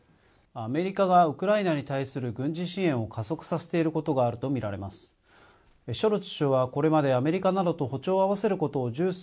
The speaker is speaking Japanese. アメリカがウクライナに対する軍事支援を加速させていることがあると見られます。